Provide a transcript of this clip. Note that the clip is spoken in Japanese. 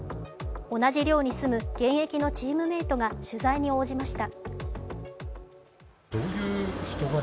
同じ寮に住む現役のチームメートが取材に応じました。